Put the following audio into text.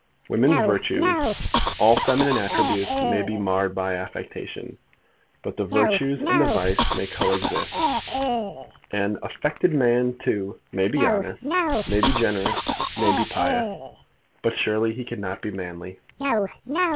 Women's virtues, all feminine attributes, may be marred by affectation, but the virtues and the vice may co exist. An affected man, too, may be honest, may be generous, may be pious; but surely he cannot be manly.